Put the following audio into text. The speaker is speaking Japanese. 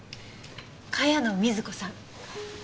茅野瑞子さん。